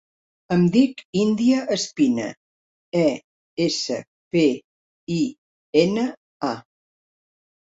Em dic Índia Espina: e, essa, pe, i, ena, a.